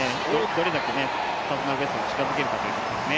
どれだけパーソナルベストに近づけるかというところですね。